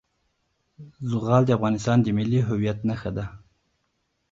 زغال د افغانستان د ملي هویت نښه ده.